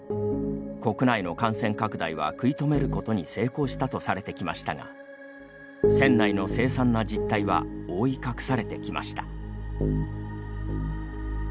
国内の感染拡大は食い止めることに成功したとされてきましたが船内の凄惨な実態は覆い隠されてきました。